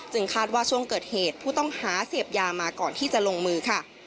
คาดว่าช่วงเกิดเหตุผู้ต้องหาเสพยามาก่อนที่จะลงมือค่ะ